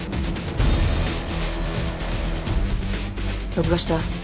録画した？